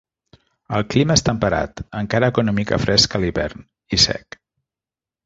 El clima és temperat, encara que una mica fresc a l'hivern, i sec.